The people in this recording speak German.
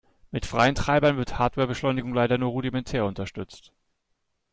Mit freien Treibern wird Hardware-Beschleunigung leider nur rudimentär unterstützt.